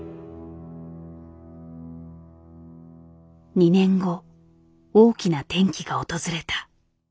２年後大きな転機が訪れた。